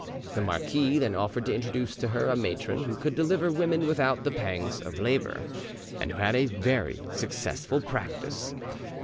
The marquis then offered to introduce to her a matron who could deliver women without the pangs of labour, and who had a very successful practice.